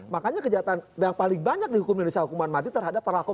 makanya kejahatan yang paling banyak dihukum indonesia hukuman mati terhadap pelaku